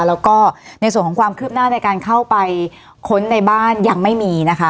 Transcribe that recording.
แล้วก็ในส่วนของความคืบหน้าในการเข้าไปค้นในบ้านยังไม่มีนะคะ